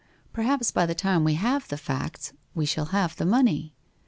Perhaps by the time we have the facts we shall have the money.